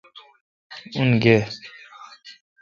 ان گے۔